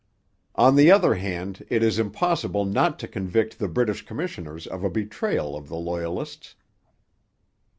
On the other hand it is impossible not to convict the British commissioners of a betrayal of the Loyalists.